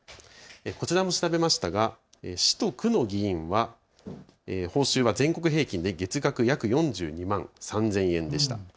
こちらも調べましたが市と区の議員は全国平均で月額約４２万３０００円でした。